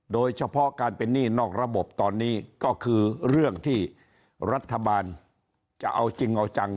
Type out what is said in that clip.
โดยเฉพาะการเป็นหนี้นอกระบบตอนนี้ก็คือเรื่องที่รัฐบาลจะเอาจริงเอาจัง